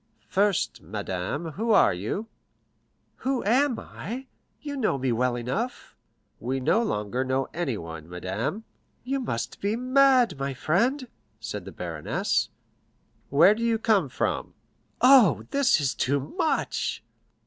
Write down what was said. "First, madame, who are you?" "Who am I? You know me well enough." "We no longer know anyone, madame." "You must be mad, my friend," said the baroness. "Where do you come from?" "Oh, this is too much!"